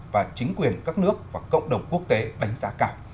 và chính quyền các nước và cộng đồng quốc tế đánh giá cả